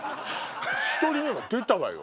一人目は出たわよ。